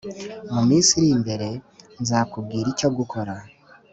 mu minsi irimbere nzakubwira icyo gukora